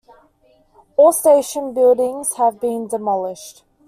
All station buildings have been demolished.